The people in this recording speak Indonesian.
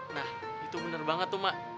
nah itu bener banget tuh mak